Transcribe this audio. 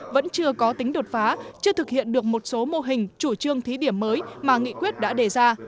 vẫn chưa có tính đột phá chưa thực hiện được một số mô hình chủ trương thí điểm mới mà nghị quyết đã đề ra